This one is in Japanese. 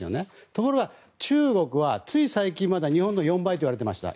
ところは、中国はつい最近まで日本の４倍といわれていました。